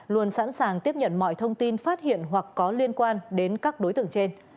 luôn sẵn sàng tiếp nhận mọi thông tin phát hiện hoặc có liên quan đến các đối tượng trên